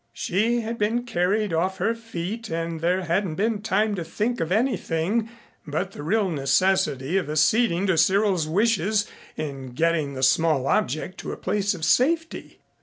She had been carried off her feet and there hadn't been time to think of anything but the real necessity of acceding to Cyril's wishes in getting the small object to a place of safety.